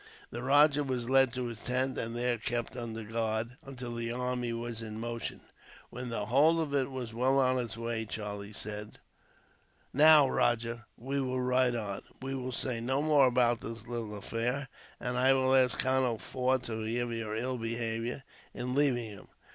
The rajah was led to his tent, and there kept under a guard, until the army was in motion. When the whole of it was well on its way, Charlie said: "Now, Rajah, we will ride on. We will say no more about this little affair, and I will ask Colonel Forde to forgive your ill behaviour in leaving him.